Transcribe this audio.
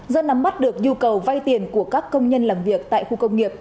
do nắm mắt được nhu cầu vay tiền của các công nhân làm việc tại khu công nghiệp